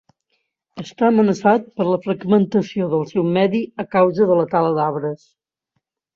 Està amenaçat per la fragmentació del seu medi a causa de la tala d'arbres.